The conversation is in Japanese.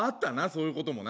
そういう事もな。